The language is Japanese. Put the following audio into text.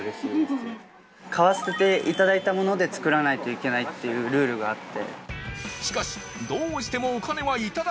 買わせていただいたもので作らないといけないルールがあって。